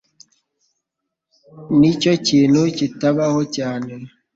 Nicyo kintu kitabaho cyane.